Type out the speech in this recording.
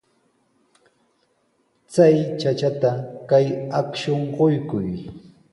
Chay chachata kay akshun quykuy.